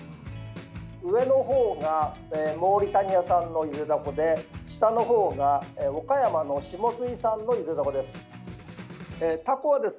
上のほうがモーリタニア産のゆでダコで下のほうが岡山の下津井産のゆでダコです。